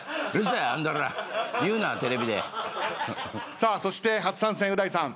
さあそして初参戦う大さん。